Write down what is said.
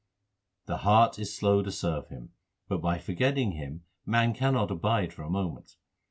The heart is slow to serve Him ; But by forgetting Him man cannot abide for a moment.